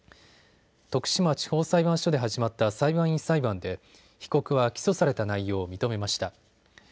徳島地方裁判所で始まった裁判員裁判で被告は起訴された内容を認めました。